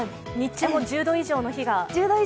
日中も１０度以上の日が？